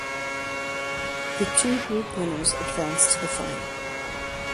The two group winners advance to the final.